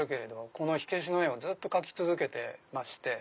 この火消しの絵をずっと描き続けてまして。